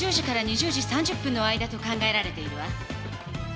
２０時２０時３０分の間と考えられているわ。